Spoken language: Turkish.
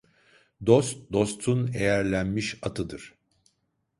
Dost dostun eğerlenmiş atıdır.